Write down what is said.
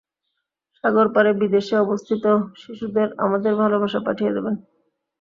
সাগরপারে বিদেশে অবস্থিত শিশুদের আমাদের ভালবাসা পাঠিয়ে দেবেন।